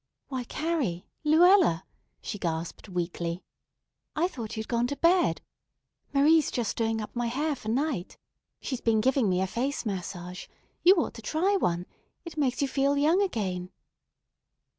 "Why, Carrie, Luella!" she gasped weakly. "I thought you'd gone to bed. Marie's just doing up my hair for night. She's been giving me a face massage. You ought to try one. It makes you feel young again."